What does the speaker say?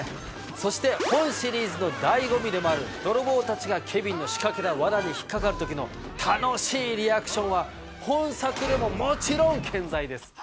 そして本シリーズの醍醐味でもある泥棒たちがケビンの仕掛けた罠に引っ掛かる時の楽しいリアクションは本作でももちろん健在です。